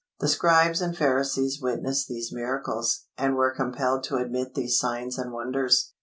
The Scribes and Pharisees witnessed these miracles, and were compelled to admit these signs and wonders.